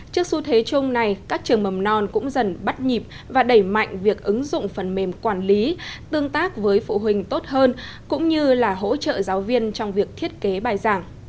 trước xu thế chung này các trường mầm non cũng dần bắt nhịp và đẩy mạnh việc ứng dụng phần mềm quản lý tương tác với phụ huynh tốt hơn cũng như là hỗ trợ giáo viên trong việc thiết kế bài giảng